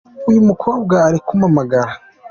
uyumukobwa arikumpamagara